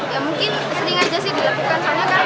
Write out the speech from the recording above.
ya mungkin sering aja sih dilakukan